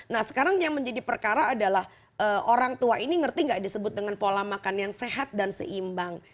nah sekarang yang menjadi perkara adalah orang tua ini ngerti nggak disebut dengan pola makan yang sehat dan seimbang